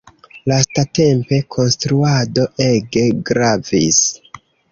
Lastatempe konstruado ege gravis.